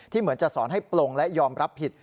เหมือนจะสอนให้ปลงและยอมรับผิด